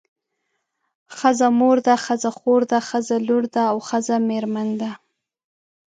ښځه مور ده ښځه خور ده ښځه لور ده او ښځه میرمن ده.